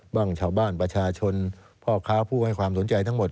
ชาวบ้านประชาชนพ่อค้าผู้ให้ความสนใจทั้งหมด